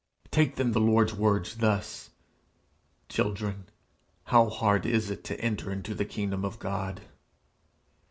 Take then the Lord's words thus: 'Children, how hard is it to enter into the kingdom of God!'